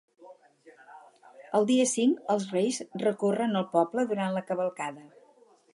El dia cinc els Reis recorren el poble durant la cavalcada.